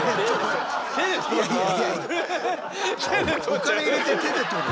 お金入れて手で取る？